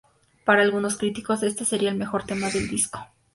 Para algunos críticos este seria el mejor tema del disco.